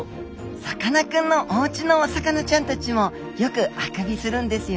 さかなクンのおうちのお魚ちゃんたちもよくあくびするんですよ。